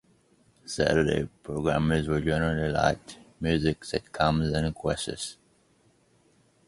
Saturday programmes were generally light: music, sitcoms and quizzes.